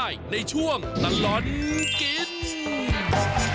เจอกันได้ในช่วงร้อนกิน